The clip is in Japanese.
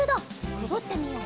くぐってみよう。